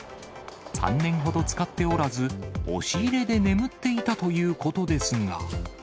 ３年ほど使っておらず、押し入れで眠っていたということですが。